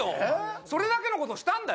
それだけのことをしたんだよ。